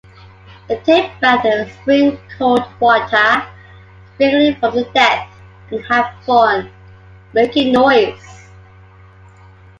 They take bath in a spring cold water, sprinkling from the depth and have fun, making noise.